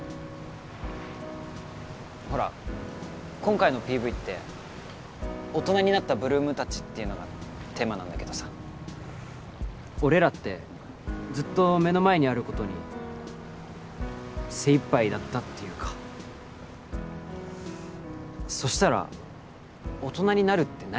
ほら今回のＰＶって大人になった８ＬＯＯＭ達っていうのがテーマなんだけどさ俺らってずっと目の前にあることに精いっぱいだったっていうかそしたら大人になるって何？